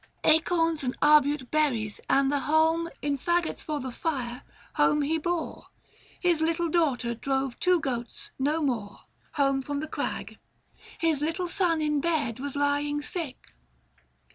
Acorns and arbute berries and the hanlm 570 In faggots for the fire home he bore ; His little daughter drove two goats, no more, Home from the crag ; his little son in bed Was lying sick.